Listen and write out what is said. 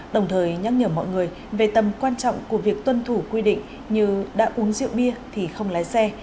đồng thời nhắc nhở mọi người về tầm quan trọng của việc tuân thủ quy định như đã uống rượu bia thì không lái xe